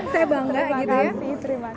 terima kasih terima kasih